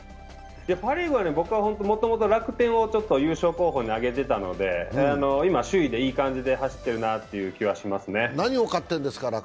僕はもともと楽天を優勝候補に挙げてたので今、首位で、いい感じで走ってるなという感じはしますね。